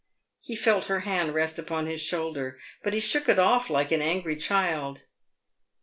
He felt her hand rest upon his shoulder, but he shook it off like an angry child.